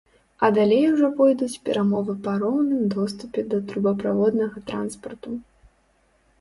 А далей ужо пойдуць перамовы па роўным доступе да трубаправоднага транспарту.